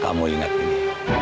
kamu ingat ini